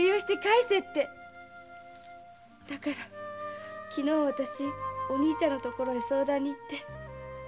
だから昨日わたしお兄ちゃんのところへ相談に行って。